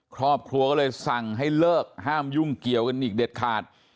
ครอบครัวก็เลยสั่งให้เลิกห้ามยุ่งเกี่ยวกันอีกเด็ดขาด